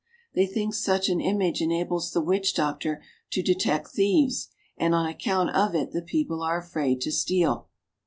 They think such an image enables the witch doctor to detect thieves, and on account of it the people are afraid to steal.